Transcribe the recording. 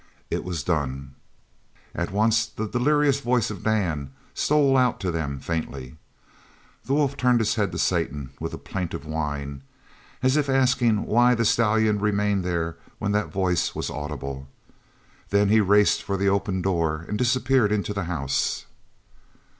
It was done. At once the delirious voice of Dan stole out to them faintly. The wolf turned his head to Satan with a plaintive whine, as if asking why the stallion remained there when that voice was audible. Then he raced for the open door and disappeared into the house.